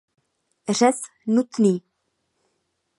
Řez nutný.